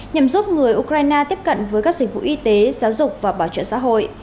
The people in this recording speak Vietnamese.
nhằm giúp người ukraine tiếp cận với các sở hữu y tế giáo dục và bảo trợ xã hội